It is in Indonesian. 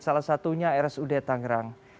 salah satunya rsud tangerang